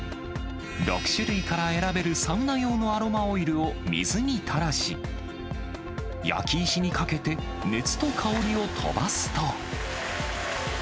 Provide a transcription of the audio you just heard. ６種類から選べるサウナ用のアロマオイルを水に垂らし、焼き石にかけて、熱と香りを飛ばすと。